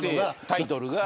タイトルが。